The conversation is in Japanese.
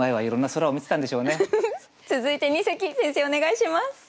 続いて二席先生お願いします。